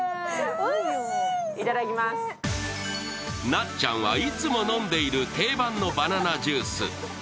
なっちゃんは、いつも飲んでいる定番のバナナジュース。